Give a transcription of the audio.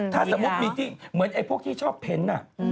ถ้าสมมุติมีที่เหมือนไอ้พวกที่ชอบเพ้น